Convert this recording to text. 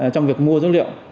trong việc mua dữ liệu